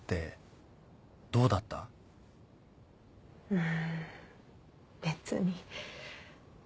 うん別に。